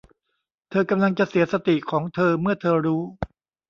เธอกำลังจะเสียสติของเธอเมื่อเธอรู้